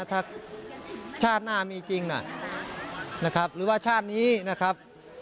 ถ้าชาติหน้ามีจริงนะครับหรือว่าชาตินี้นะครับ